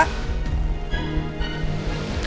kok ketemu angga